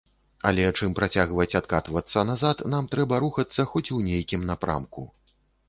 Але, чым працягваць адкатвацца назад, нам трэба рухацца хоць у нейкім напрамку.